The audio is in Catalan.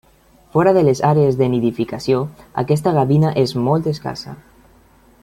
Fora de les àrees de nidificació, aquesta gavina és molt escassa.